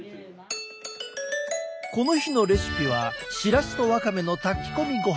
この日のレシピはしらすとワカメの炊き込みごはん。